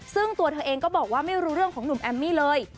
ซึ่งตัวเธอเองก็บอกว่าไม่รู้เรื่องของหนุ่มแอมมี่เลย